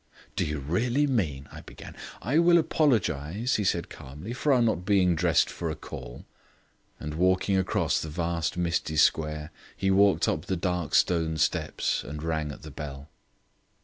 "Do you really mean ?" I began. "I will apologize," he said calmly, "for our not being dressed for a call," and walking across the vast misty square, he walked up the dark stone steps and rang at the bell.